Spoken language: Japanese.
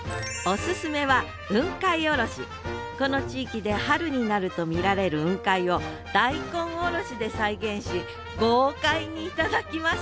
この地域で春になると見られる雲海を大根おろしで再現し豪快に頂きます